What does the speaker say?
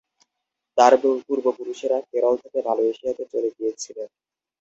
তাঁর পূর্বপুরুষেরা কেরল থেকে মালয়েশিয়া-তে চলে গিয়েছিলেন।